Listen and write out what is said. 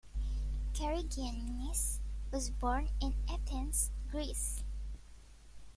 Karygiannis was born in Athens, Greece.